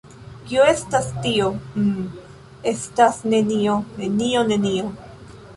Kio estas tio? Mmm estas nenio, nenio, nenio...